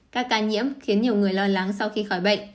các ca nhiễm khiến nhiều người lo lắng sau khi khỏi bệnh